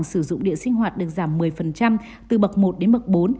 khách hàng sử dụng điện sinh hoạt được giảm một mươi từ bậc một đến bậc bốn